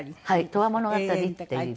『永遠物語』っていう。